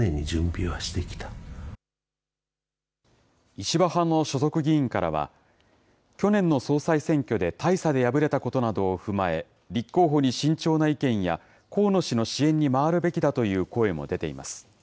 石破派の所属議員からは、去年の総裁選挙で大差で敗れたことなどを踏まえ、立候補に慎重な意見や、河野氏の支援に回るべきだという声も出ています。